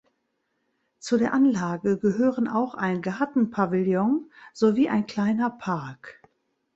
Zu der Anlage gehören auch ein Gartenpavillon sowie ein kleiner Park.